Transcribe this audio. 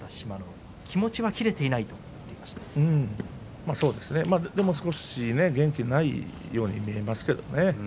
海気持ちは切れていないとでも少し元気がないように見えますけれどね。